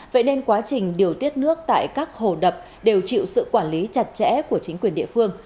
vậy nên quá trình điều tiết nước tại các hồ đập đều chịu sự quản lý chặt chẽ của chính quyền địa phương